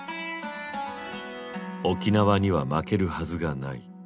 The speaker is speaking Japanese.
「沖縄には負けるはずがない」。